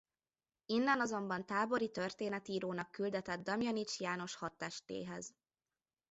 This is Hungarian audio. Innen azonban tábori történetírónak küldetett Damjanich János hadtestéhez.